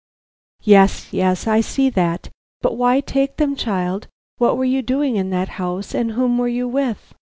"Yes, yes, I see that. But why take them, child? What were you doing in that house, and whom were you with?"